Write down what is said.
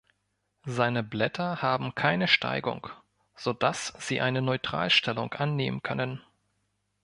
Seine Blätter haben keine Steigung, so dass sie eine Neutralstellung annehmen können.